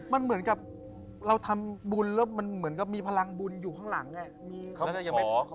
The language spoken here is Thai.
มันเหมือนกับเราทำบุญแล้วมันเหมือนกับมีพลังบุญอยู่ข้างหลัง